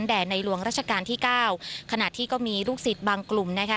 สนแด่ในหลวงราชการที่๙ขนาดที่ก็มีลูกศิษย์บางกลุ่มนะคะ